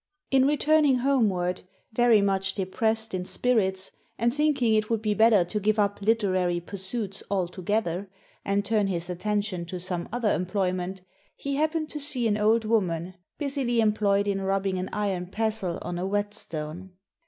In returning homeward, very much depressed in spirits and thinking it would be better to give up literary pursuits altogether and turn his attention to some other employment, he happened to see an old woman busily employed in rubbing an iron pestle on a whetstone.